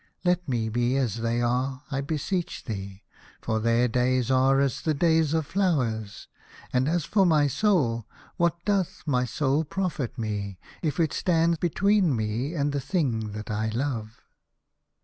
Let me be as they are, I beseech thee, for their days are as the days of flowers. And as for my soul, what doth my soul profit me, if it stand between me and the thing that I love